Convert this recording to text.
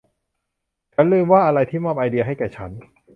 ฉันลืมว่าอะไรที่มอบไอเดียให้แก่ฉัน